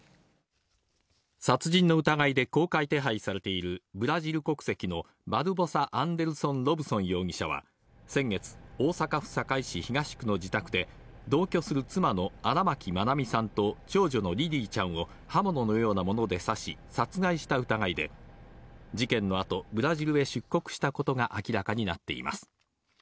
殺人の疑いで公開手配されている、ブラジル国籍のバルボサ・アンデルソン・ロブソン容疑者は、先月、大阪府堺市東区の自宅で、同居する妻の荒牧愛美さんと長女のリリィちゃんを刃物のようなもので刺し、殺害した疑いで、事件のあと、ブラジルへ出国したことが明らかになっています。